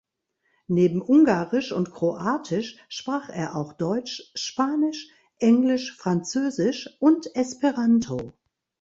Neben Ungarisch und Kroatisch sprach er auch Deutsch, Spanisch, Englisch, Französisch und Esperanto.